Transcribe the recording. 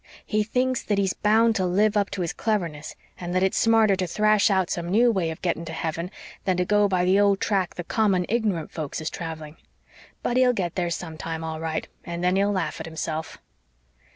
He thinks that he's bound to live up to his cleverness, and that it's smarter to thrash out some new way of getting to heaven than to go by the old track the common, ignorant folks is travelling. But he'll get there sometime all right, and then he'll laugh at himself."